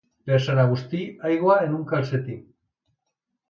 Per Sant Agustí, aigua en un calcetí.